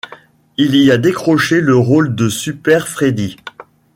Il y a décroché le rôle de Super Freddy.